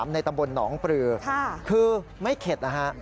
ในตำบลหนองปลือคือไม่เข็ดนะฮะ